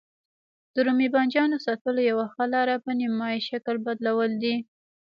د رومي بانجانو ساتلو یوه ښه لاره په نیم مایع شکل بدلول دي.